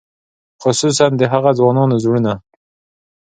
خصوصاً د هغو ځوانانو زړونه.